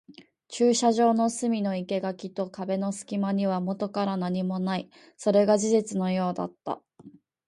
駐車場の隅の生垣と壁の隙間にはもとから何もない。それが事実のようだった。